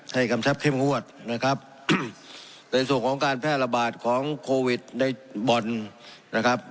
กำชับเข้มงวดนะครับในส่วนของการแพร่ระบาดของโควิดในบ่อนนะครับ